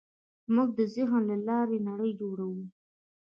موږ د ذهن له لارې نړۍ جوړوو.